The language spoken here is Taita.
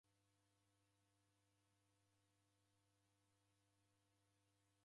Nambe sena ni kiding’a